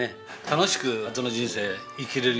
楽しくあとの人生生きれる。